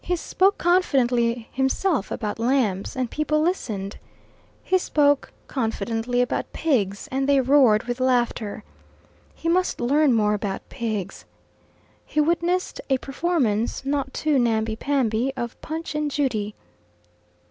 He spoke confidently himself about lambs, and people listened. He spoke confidently about pigs, and they roared with laughter. He must learn more about pigs. He witnessed a performance not too namby pamby of Punch and Judy.